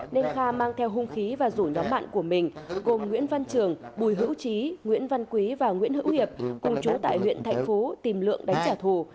nên kha mang theo hung khí và rủ nhóm bạn của mình gồm nguyễn văn trường bùi hữu trí nguyễn văn quý và nguyễn hữu hiệp cùng chú tại huyện thạnh phú tìm lượng đánh trả thù